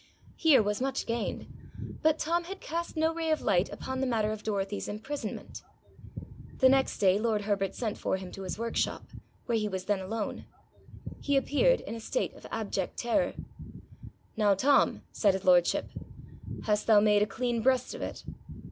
Here was much gained, but Tom had cast no ray of light upon the matter of Dorothy's imprisonment. The next day lord Herbert sent for him to his workshop, where he was then alone. He appeared in a state of abject terror. 'Now, Tom,' said his lordship, 'hast thou made a clean breast of it?'